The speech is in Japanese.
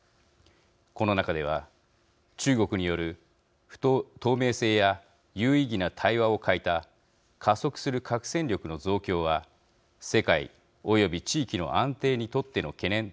この中では中国による透明性や有意義な対話を欠いた加速する核戦力の増強は世界および地域の安定にとっての懸念と指摘しています。